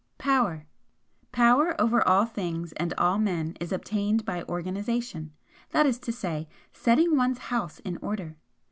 POWER "Power over all things and all men is obtained by organisation that is to say, 'setting one's house in order.'